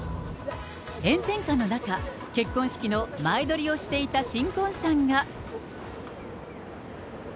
炎天下の中、結婚式の前撮りをしていた新婚さんが。